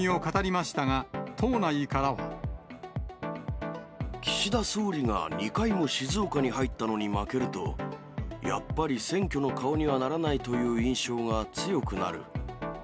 ま岸田総理が２回も静岡に入ったのに負けると、やっぱり選挙の顔にはならないという印象が強くなる。